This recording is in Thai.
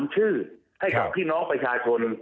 ชื่อให้กับพี่น้องประชาชน